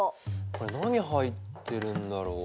これ何入ってるんだろう？